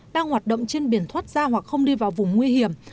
đang hoạt động trên biển thoát ra hoặc không đi vào vùng nguy hiểm